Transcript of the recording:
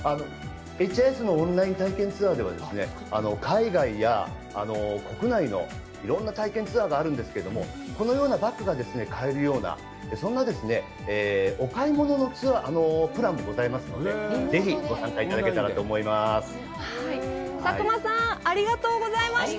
ＨＩＳのオンライン体験ツアーでは、海外や国内のいろんな体験ツアーがあるんですけれども、このようなバッグが買えるような、そんなお買い物のツアー、プランもございますので、ぜひご参加いただけたらと思います。